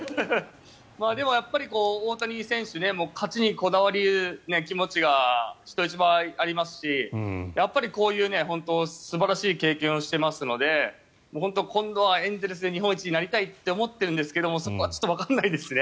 でも、大谷選手勝ちにこだわる気持ちが人一倍ありますしやっぱり、こういう素晴らしい経験をしてますので本当に今度はエンゼルスで日本一になりたいって思ってるんですけどそこはちょっとわからないですね。